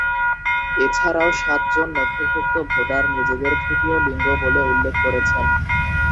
এছাড়াও সাতজন নথিভূক্ত ভোটার নিজেদের তৃতীয় লিঙ্গ বলে উল্লেখ করেছেন।